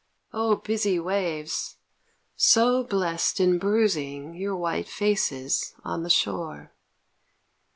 O busy waves! so blest in bruising Your white faces On the shore.